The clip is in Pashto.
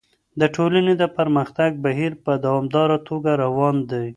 د ټولني د پرمختګ بهير په دوامداره توګه روان دی.